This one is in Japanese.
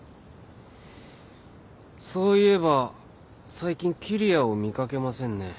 そういえば最近桐矢を見掛けませんね。